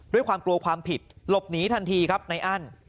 ด้วยความกลัวความผิดหลบหนีทันทีครับในอั้น